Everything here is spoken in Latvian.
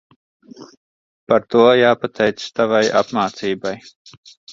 Par to jāpateicas tavai apmācībai.